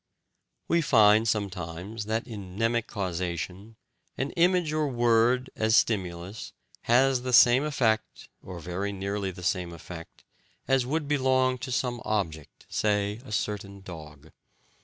We find sometimes that, IN MNEMIC CAUSATION, an image or word, as stimulus, has the same effect (or very nearly the same effect) as would belong to some object, say, a certain dog.